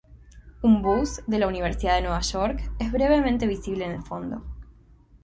Un bus de la Universidad de Nueva York es brevemente visible en el fondo.